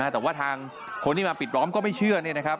แต่ว่าทางคนที่มาปิดล้อมก็ไม่เชื่อ